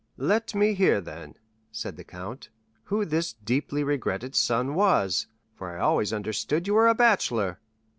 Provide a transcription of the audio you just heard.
"Let me hear, then," said the count, "who this deeply regretted son was; for I always understood you were a bachelor."